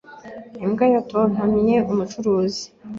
Imbwa yatontomye umucuruzi.